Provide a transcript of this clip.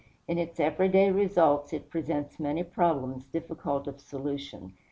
In its every day results, it presents many problems difficult of solution.